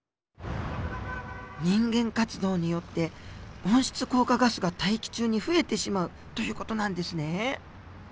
人間活動によって温室効果ガスが大気中に増えてしまうという事なんですね。